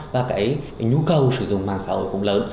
và cái nhu cầu sử dụng mạng xã hội cũng lớn